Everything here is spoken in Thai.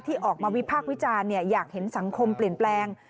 ออกมาวิพากษ์วิจารณ์อยากเห็นสังคมเปลี่ยนแปลง